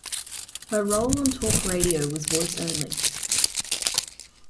Her role on "Talk Radio" was voice only.